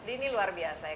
ini luar biasa ya